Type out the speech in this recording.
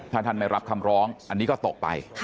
ถ้าท่านไม่รับคำร้องอันนี้ก็ตกไป